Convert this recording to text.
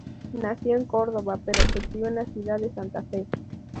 Nació en Córdoba pero se crio en la Ciudad de Santa Fe.